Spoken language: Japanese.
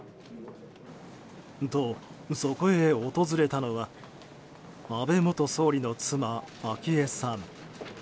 と、そこへ訪れたのは安倍元総理の妻・昭恵さん。